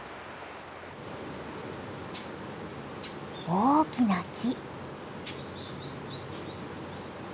大きな木。